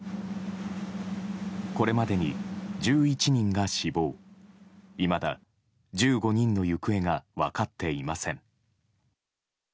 これまでに１１人が死亡いまだ１５人の行方が分かっていません。